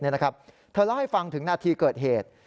เธอเล่าให้ฟังถึงนาทีเกิดเหตุ